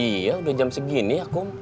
iya udah jam segini ya kum